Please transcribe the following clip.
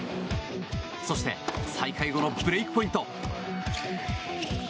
そして再開後のブレークポイント。